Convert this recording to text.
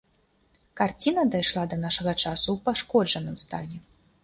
Карціна дайшла да нашага часу ў пашкоджаным стане.